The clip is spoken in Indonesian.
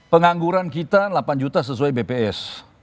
pengangguran kita delapan juta sesuai bps